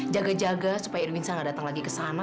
jaga jaga supaya irwin sanger datang lagi ke sana